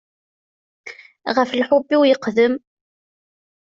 Ɣef lḥub-iw yeqdem.